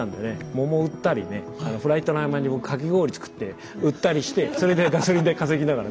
桃売ったりねフライトの合間に僕かき氷作って売ったりしてそれでガソリン代稼ぎながら。